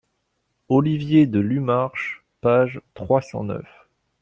Olivier de lu Marche, page trois cent neuf.